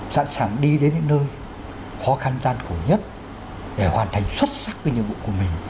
sẵn sàng đi đến những nơi khó khăn gian khổ nhất để hoàn thành xuất sắc cái nhiệm vụ của mình